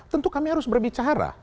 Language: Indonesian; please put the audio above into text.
tentu kami harus berbicara